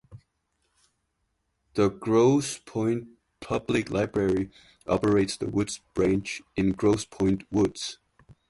The Grosse Pointe Public Library operates the Woods Branch in Grosse Pointe Woods.